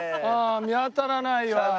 見当たらないわ。